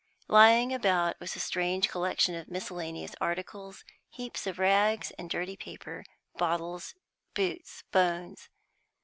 Lying about was a strange collection of miscellaneous articles, heaps of rags and dirty paper, bottles, boots, bones.